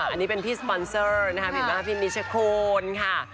อันนี้เป็นพี่สปอนเซอร์นะคะเห็นไหมครับพี่มิชโฆลค่ะ